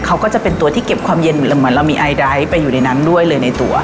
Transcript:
เขาก็จะเป็นตัวที่เก็บความเย็นอยู่แล้วเหมือนเรามีไอไดท์ไปอยู่ในนั้นด้วยเลยในตัว